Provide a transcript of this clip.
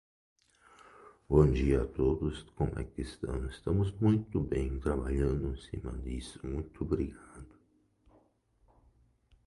Aubrey tires of her after a night, yet she persists.